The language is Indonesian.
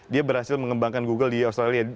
dia berhasil mengembangkan google di australia